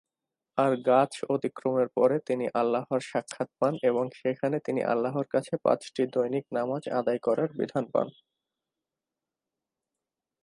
আর গাছ অতিক্রমের পরে তিনি আল্লাহর সাক্ষাত পান এবং সেখানে তিনি আল্লাহর কাছে পাঁচটি দৈনিক নামাজ আদায় করার বিধান পান।